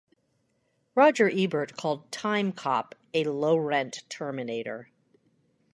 Roger Ebert called "Timecop" a low-rent "Terminator".